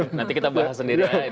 nanti kita bahas sendiri